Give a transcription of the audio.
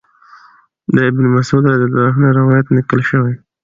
د ابن مسعود رضی الله عنه نه روايت نقل شوی